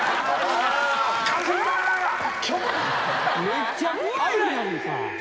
めっちゃ怖いやんか。